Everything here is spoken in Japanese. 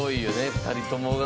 ２人ともが。